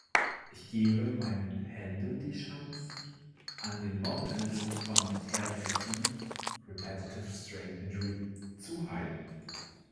Ich gebe meinen Händen die Chance, an den Wochenenden von RSI (Repetitive Strain Injury) zu heilen.